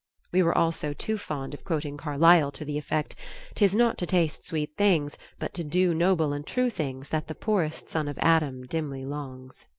We were also too fond of quoting Carlyle to the effect, "'Tis not to taste sweet things, but to do noble and true things that the poorest son of Adam dimly longs."